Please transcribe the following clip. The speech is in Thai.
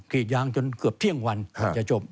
กรีดยางจนเกือบเที่ยงวันจะจบ